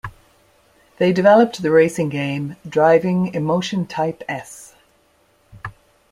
They developed the racing game "Driving Emotion Type-S".